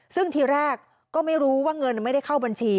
ซึ่งทีแรกก็ไม่รู้ว่าเงินไม่ได้เข้าบัญชี